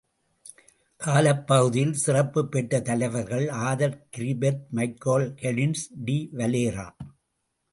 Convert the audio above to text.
காலப் பகுதியில் சிறப்புப் பெற்ற தலைவர்கள்.ஆர்தர் கிரிபித், மைக்கேல் கொலின்ஸ், டி வலெரா.